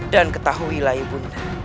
dan ketahuilah ibu ndaku